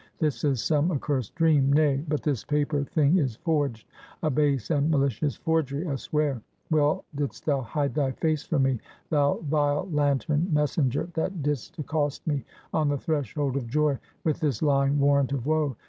This is some accursed dream! nay, but this paper thing is forged, a base and malicious forgery, I swear; Well didst thou hide thy face from me, thou vile lanterned messenger, that didst accost me on the threshold of Joy, with this lying warrant of Woe!